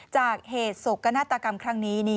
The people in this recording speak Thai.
จากเหตุโศกนาฏกรรมครั้งนี้